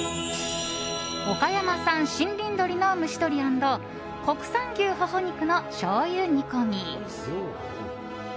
岡山産森林鶏の蒸し鶏＆国産牛ほほ肉の醤油煮込み。